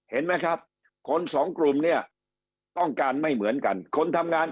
เห็นไหมครับคนสองกลุ่มเนี่ยต้องการไม่เหมือนกันคนทำงาน